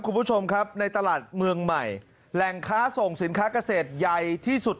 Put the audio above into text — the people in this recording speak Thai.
คุณผู้ชมครับในตลาดเมืองใหม่แหล่งค้าส่งสินค้าเกษตรใหญ่ที่สุด